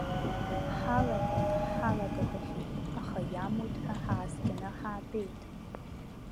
Ҳалагон, ҳалагақәахьеит, аха иамуит ҳәа ҳааскьаны ҳаатәеит.